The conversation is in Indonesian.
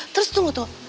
terus tunggu tuh